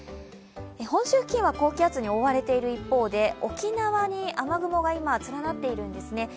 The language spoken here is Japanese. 本州付近は高気圧に覆われている一方で、沖縄に今、雨雲が連なっているんですね。